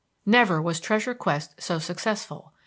Never was treasure quest so successful!